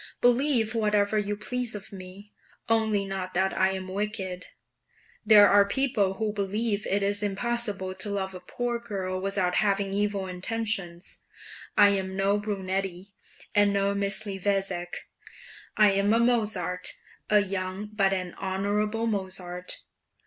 "Believe whatever you please of me, only not that I am wicked. There are people who believe it is impossible to love a poor girl without having evil intentions. I am no Brunetti, and no Misliweczeck I am a Mozart, a young but an honourable Mozart."